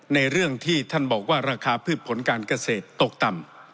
ในเรื่องที่ท่านบอกว่าราคาพืชผลการเกษตรตกต่ำ